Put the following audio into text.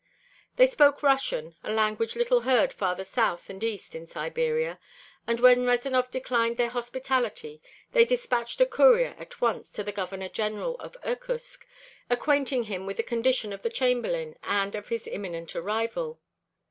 They spoke Russian, a language little heard farther north and east in Siberia, and when Rezanov declined their hospitality they dispatched a courier at once to the Governor General of Irkutsk acquainting him with the condition of the Chamberlain and of his imminent arrival.